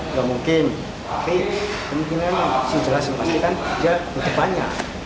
nggak mungkin tapi kemungkinan si jelasin pasti kan dia mencetaknya